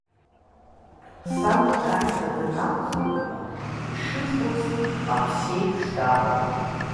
Сан дааины данаалхагыла, ишызбоз аԥсы иеиԥш дааҟалеит.